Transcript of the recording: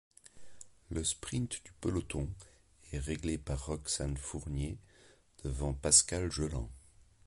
Le sprint du peloton est réglé par Roxane Fournier devant Pascale Jeuland.